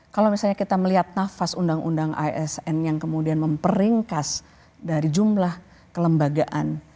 kalau misalnya kita melihat nafas undang undang asn yang kemudian memperingkas dari jumlah kelembagaan